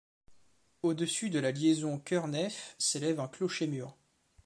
Au-dessus de la liaison chœur-nef s'élève un clocher-mur.